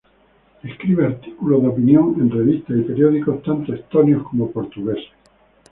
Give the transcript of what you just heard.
Escribe artículos de opinión en revistas y periódicos tanto estonios como portugueses.